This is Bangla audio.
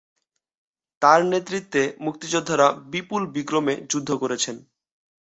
তার নেতৃত্বে মুক্তিযোদ্ধারা বিপুল বিক্রমে যুদ্ধ করছেন।